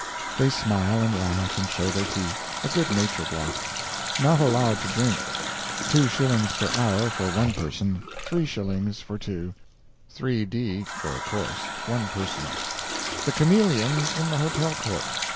They smile and laugh and show their teeth a good natured lot. Not allowed to drink; 2s per hour for one person; 3s for two; 3d for a course one person. The chameleon in the hotel court.